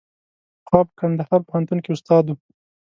پخوا په کندهار پوهنتون کې استاد و.